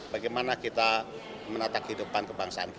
bagaimana kita menatak hidupan kebangsaan kita